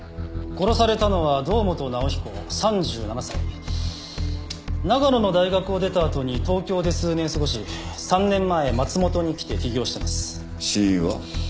殺されたのは堂本直彦３７歳長野の大学を出たあとに東京で数年過ごし３年前松本に来て起業してます死因は？